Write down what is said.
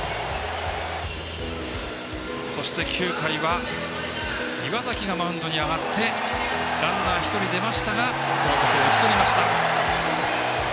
そして、９回は岩崎がマウンドに上がってランナーが１人出ましたが後続を打ち取りました。